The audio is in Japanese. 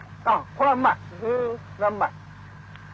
これはうまい。